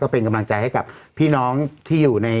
เป็นกำลังใจให้กับพี่น้องที่อยู่ใน